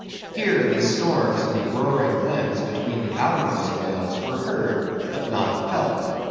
Here the storms in the roaring glens between the outermost whales, were heard but not felt.